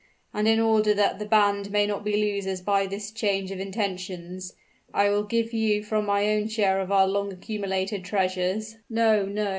And in order that the band may not be losers by this change of intentions, I will give you from my own share of our long accumulated treasures " "No! no!"